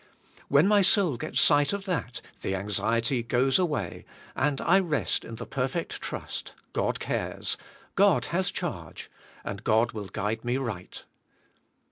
When my soul gets sight of that the anxiety goes away and I rest in the per fect trust, God cares; God has charge, and God will guide me right.